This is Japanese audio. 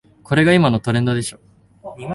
これが今のトレンドでしょ